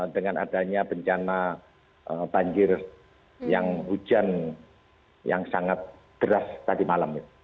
dengan adanya bencana banjir yang hujan yang sangat deras tadi malam